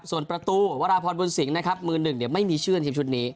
ส่วนประตุวัตรพบูลศิงหนึ่งไม่มีชื่อนทีมชุดนี้